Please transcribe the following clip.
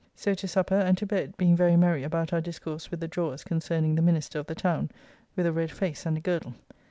So to supper, and to bed, being very merry about our discourse with the Drawers concerning the minister of the Town, with a red face and a girdle.